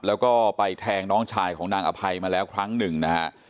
แล้วก็ไปแทงน้องชายของนางอภัยมาแล้วครั้งหนึ่งนะฮะ